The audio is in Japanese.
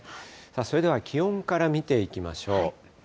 さあ、それでは気温から見ていきましょう。